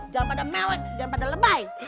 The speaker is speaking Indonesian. jangan pada mewah jangan pada lebay